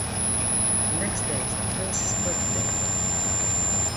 The next day is the princess's birthday.